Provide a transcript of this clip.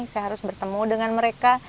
saya harus bertemu dengan mereka